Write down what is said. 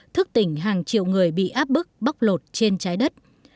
thức tỉnh hàng triệu người bị áp bức bóc lột trên trái đất